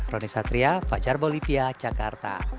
roni satria fajar bolivia jakarta